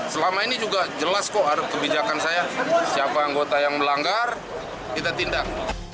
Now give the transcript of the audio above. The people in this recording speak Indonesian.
selama ini juga jelas kok kebijakan saya siapa anggota yang melanggar kita tindak